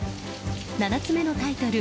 ７つ目のタイトル